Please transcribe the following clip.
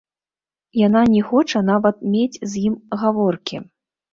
Яна не хоча нават мець з ім гаворкі.